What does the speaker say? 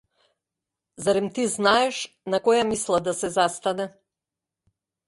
Зарем ти знаеш на која мисла да се застане!